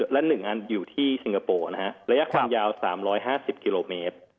และ๑อันอยู่ที่สิงคโปร์นะฮะระยะความยาว๓๕๐กิโลเมตร